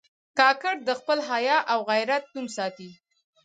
کاکړ د خپل حیا او غیرت نوم ساتي.